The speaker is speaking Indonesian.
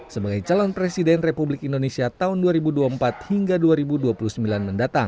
sebagai calon presiden republik indonesia tahun dua ribu dua puluh empat hingga dua ribu dua puluh sembilan mendatang